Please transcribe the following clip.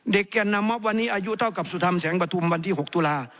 แก่นนำมอบวันนี้อายุเท่ากับสุธรรมแสงปฐุมวันที่๖ตุลา